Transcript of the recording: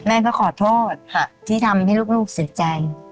แม่ก็ขอโทษที่ทำให้ลูกเสียใจ